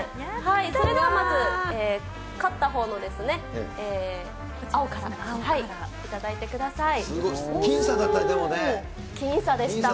それではまず、買ったほうの青から頂いてください。